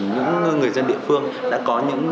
những người dân địa phương đã có những